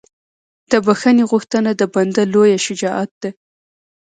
د بښنې غوښتنه د بنده لویه شجاعت ده.